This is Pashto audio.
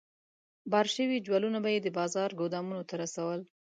بار شوي جوالونه به یې د بازار ګودامونو ته رسول.